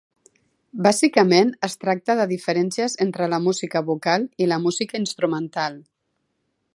Bàsicament es tracta de diferències entre la música vocal i la música instrumental.